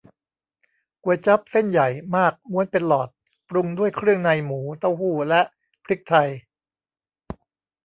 ก๋วยจั๊บ เส้นใหญ่มากม้วนเป็นหลอด ปรุงด้วยเครื่องในหมู เต้าหู้ และพริกไทย